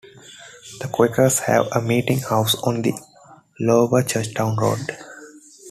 The Quakers have a Meeting House on the Lower Churchtown Road.